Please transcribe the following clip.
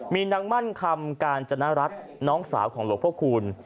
มีนางมั่นคำกาญจนรัฐน้องสาวของหลวงพระคูณ